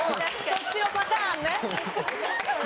そっちのパターンね。